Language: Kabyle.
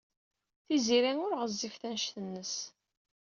Tiziri ur ɣezzifet anect-nnes.